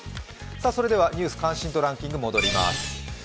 それでは「ニュース関心度ランキング」に戻ります。